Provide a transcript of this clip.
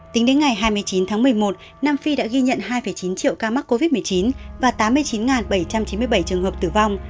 tính đến ngày hai mươi chín tháng một mươi một nam phi đã ghi nhận hai chín triệu ca mắc covid một mươi chín và tám mươi chín bảy trăm chín mươi bảy